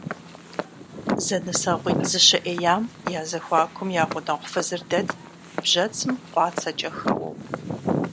ЗэнысэгъуитӀ зэщыӀеям я зэхуакум я гъунэгъу фызыр дэтт, бжьэцым къуацэкӀэ хэуэу.